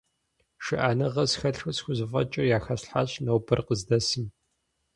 ШыӀэныгъэ схэлъу схузэфӀэкӀыр яхэслъхьащ нобэр къыздэсым.